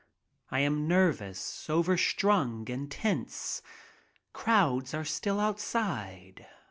I am nervous, overstrung, tense. Crowds are still outside.